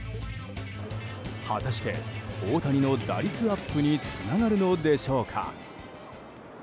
果たして大谷の打率アップにつながるのでしょうか。